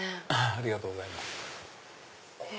ありがとうございます。